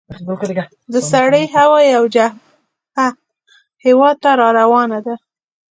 د سړې هوا یوه جبهه هیواد ته را روانه ده.